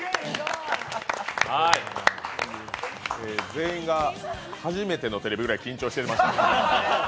全員が初めてのテレビぐらい緊張してましたね。